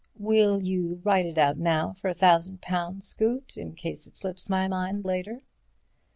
"Will you write it out now for a thousand pounds, Scoot, in case it slips my mind later?"